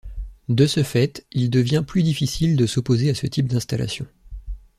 De ce fait il devient plus difficile de s'opposer à ce type d'installation.